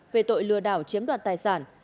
về tội lừa đảo chiếm đoạt tài sản